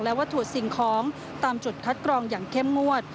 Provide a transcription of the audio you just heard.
และวัตถุสิ่งของตามจุดคัดกรองอย่างเข้มงวด